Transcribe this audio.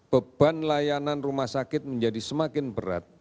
beban layanan rumah sakit menjadi semakin berat